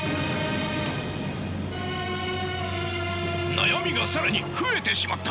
悩みが更に増えてしまった！